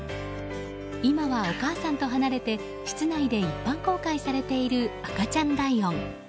今はお母さんと離れて室内で一般公開されている赤ちゃんライオン。